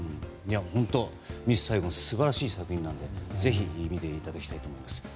本当、「ミス・サイゴン」素晴らしい作品なのでぜひ見ていただきたいと思います。